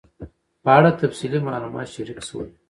په اړه تفصیلي معلومات شریک سول